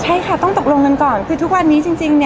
ใช่ค่ะต้องตกลงกันก่อนคือทุกวันนี้จริง